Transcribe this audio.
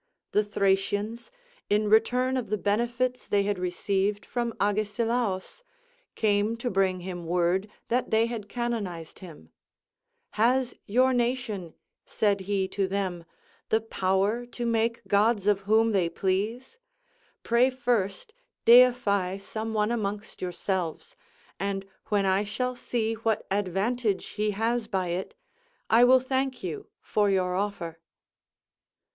The Thracians, in return of the benefits they had received from Agesilaus, came to bring him word that they had canonized him: "Has your nation," said he to them, "the power to make gods of whom they please? Pray first deify some one amongst yourselves, and when I shall see what advantage he has by it, I will thank you for your offer."